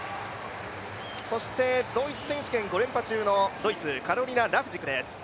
そしてドイツ選手権５連覇中のドイツ、カロリナ・ラフジクです。